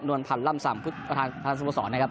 นวลพันธุ์ล่ำส่ำทางสุโมสรนะครับ